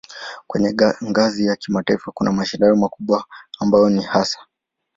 Kwenye ngazi ya kimataifa kuna mashindano makubwa ambayo ni hasa